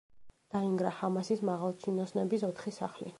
დაინგრა ჰამასის მაღალჩინოსნების ოთხი სახლი.